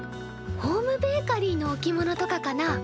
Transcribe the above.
ホームベーカリーの置物とかかな？